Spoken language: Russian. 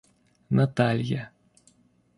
Наталья